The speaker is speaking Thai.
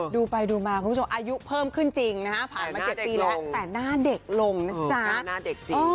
ดูไปดูมาคุณผู้ชมอายุเพิ่มขึ้นจริงนะฮะผ่านมา๗ปีแล้วแต่หน้าเด็กลงนะจ๊ะหน้าเด็กจริง